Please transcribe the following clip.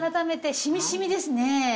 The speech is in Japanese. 染み染みですね。